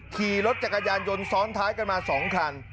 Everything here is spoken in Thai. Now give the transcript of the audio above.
ทีรถจต๊ายกยานยนต์ซ้อนท้ายกันมาสองคัน